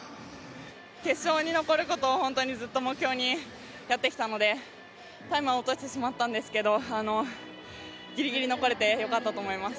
決勝に残ることをずっと目標にやってきたのでタイムは落としてしまったんですけどギリギリ残れてよかったと思います。